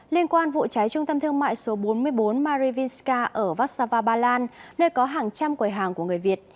liên quan vụ cháy trung tâm thương mại số bốn mươi bốn marivinska ở vassava bà lan nơi có hàng trăm quầy hàng của người việt